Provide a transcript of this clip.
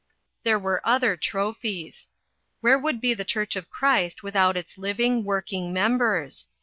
There were other trophies. Where would be the church of Christ without its living, working members